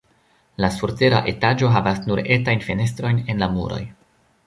La surtera etaĝo havas nur etajn fenestrojn en la muroj.